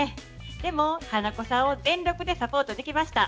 でも花子さんを全力でサポートできました。